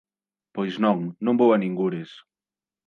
Pois non, non vou a ningures.